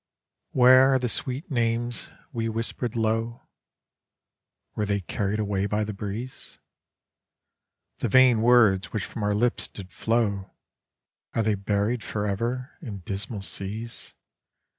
Where are the sweet names we nhispered low, Were they carried away "by the breeze? The vain words which from our lips did flow Are they buried forever in dismal seas?